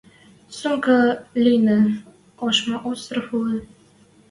Сумка лишнӹ ошма остров улы.